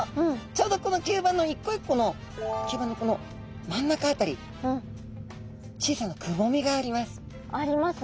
ちょうどこの吸盤の一個一個の吸盤のこの真ん中あたり小さなくぼみがあります。